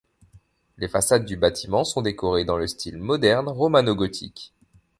Les façades du bâtiment sont décorées dans le style moderne romano-gothique.